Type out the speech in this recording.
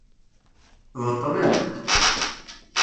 Beṭlen.